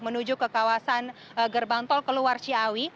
menuju ke kawasan gerbang tol keluar ciawi